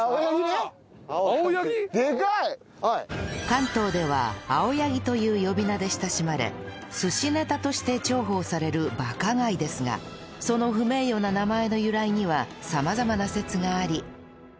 関東ではあおやぎという呼び名で親しまれ寿司ネタとして重宝されるバカガイですがその不名誉な名前の由来には様々な説があり